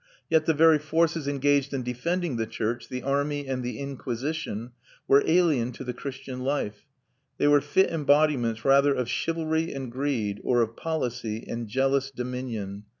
Yet the very forces engaged in defending the church, the army and the Inquisition, were alien to the Christian life; they were fit embodiments rather of chivalry and greed, or of policy and jealous dominion.